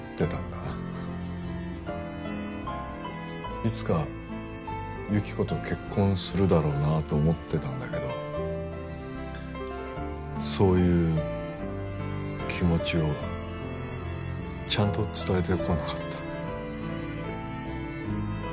いつか由紀子と結婚するだろうなと思ってたんだけどそういう気持ちをちゃんと伝えてこなかった。